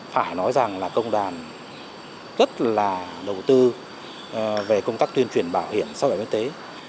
phải nói rằng là công đoàn rất là đầu tư về công tác tuyên truyền bảo hiểm xã hội bảo hiểm yên tế